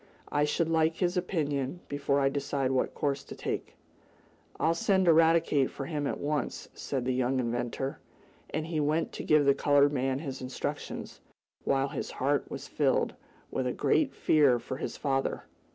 I should like his opinion before I decide what course to take." "I'll send Eradicate for him at once," said the young inventor, and he went to give the colored man his instructions, while his heart was filled with a great fear for his father.